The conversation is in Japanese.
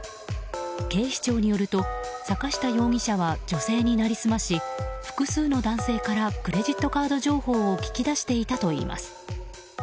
警視庁によると坂下容疑者は女性に成り済まし複数の男性からクレジットカード情報を聞き出していたといいます。